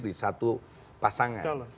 di satu pasangan